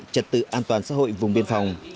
trật tự an toàn xã hội vùng biên phòng